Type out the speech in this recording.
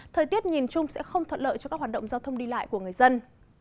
thời tiết nhìn chung sẽ không thuận lợi cho các hoạt động giao thông đi lại của người dân